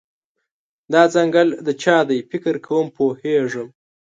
دا ځنګل د چا دی، فکر کوم پوهیږم